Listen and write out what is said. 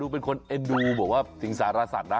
เป็นคนเอ็นดูแบบว่าสิงสารสัตว์นะ